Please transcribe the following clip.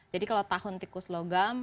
jadi kalau tahun tikus logam